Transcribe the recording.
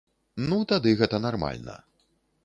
Ну тады гэта нармальна.